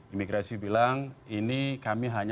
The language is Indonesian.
imigrasi bilang saya tidak bisa kembali ke indonesia